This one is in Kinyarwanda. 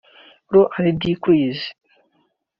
Law and Decrees